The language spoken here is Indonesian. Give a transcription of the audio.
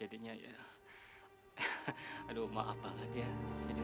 obatan nyamuk meng wandering by you